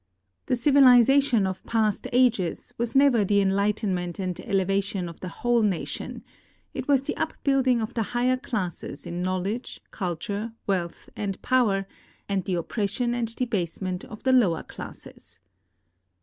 The civilization of past ages was never the enlightenment and elevation of the Avhole nation, it was the upbuilding of the higher classes in knowledge, culture, wealth, and power, and the oppression and debasement of the lower classes.